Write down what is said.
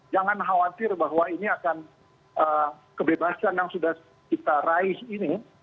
jangan khawatir bahwa ini akan kebebasan yang sudah kita raih ini